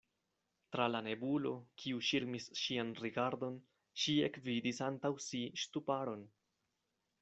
Tra la nebulo, kiu ŝirmis ŝian rigardon, ŝi ekvidis antaŭ si ŝtuparon.